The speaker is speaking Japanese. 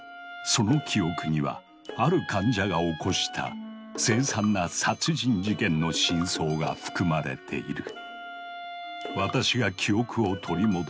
その記憶にはある患者が起こした凄惨な殺人事件の真相が含まれている。